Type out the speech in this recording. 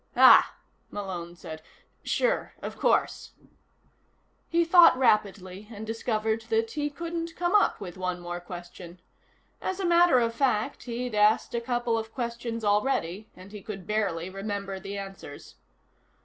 "Ah," Malone said. "Sure. Of course." He thought rapidly and discovered that he couldn't come up with one more question. As a matter of fact, he'd asked a couple of questions already, and he could barely remember the answers.